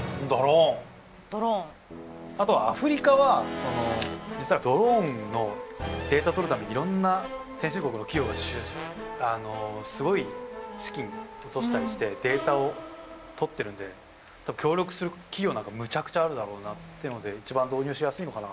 あとアフリカは実はドローンのデータ取るためにいろんな先進国の企業がすごい資金落としたりしてデータを取ってるんで協力する企業なんかむちゃくちゃあるだろうなってので一番導入しやすいのかな。